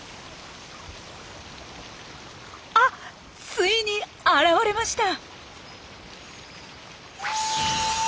あっついに現れました！